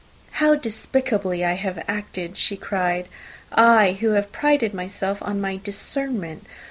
"How despicably have I acted!" she cried. "I, who have prided myself on my discernment!